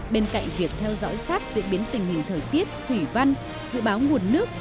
bên cạnh việc theo dõi sát diễn biến tình hình thời tiết thủy văn dự báo nguồn nước